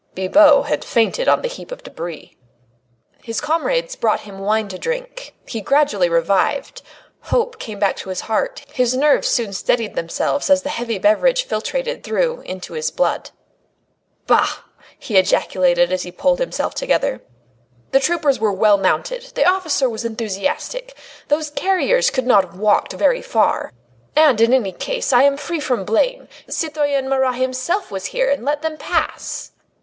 Bibot had fainted on the heap of debris. His comrades brought him wine to drink. He gradually revived. Hope came back to his heart; his nerves soon steadied themselves as the heavy beverage filtrated through into his blood. "Bah!" he ejaculated as he pulled himself together, "the troopers were well mounted ... the officer was enthusiastic; those carriers could not have walked very far. And, in any case, I am free from blame. Citoyen Marat himself was here and let them pass!"